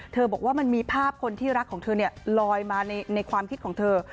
บอกว่ามันมีภาพคนที่รักของเธอลอยมาในความคิดของเธอ